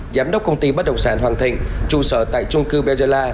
giám đốc công ty bất đồng sản hoàng thịnh trụ sở tại trung cư beo gia la